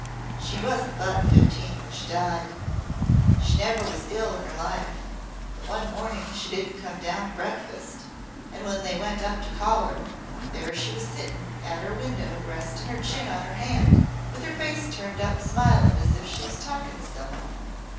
She wasn't but fifteen when she died. She never was ill in her life but one morning she didn't come down to breakfast, and when they went up to call her, there she was sittin' at her window restin' her chin on her hand, with her face turned up smilin' as if she was talkin' to some one.